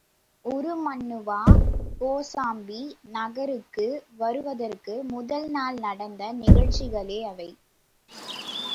உருமண்ணுவா கோசாம்பி நகருக்கு வருவதற்கு முதல் நாள் நடந்த நிகழ்ச்சிகளே அவை.